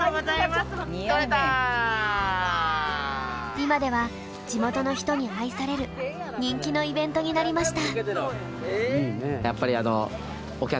今では地元の人に愛される人気のイベントになりました。